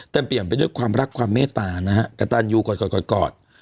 เปี่ยมไปด้วยความรักความเมตตานะฮะกระตันยูกอด